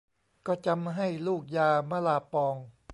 ก็จำให้ลูกยามะลาปอง